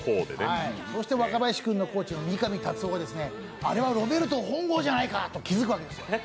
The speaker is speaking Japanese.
そして若林君のコーチの見上辰夫が、あれはロベルト本郷じゃないか？と気付くわけですね。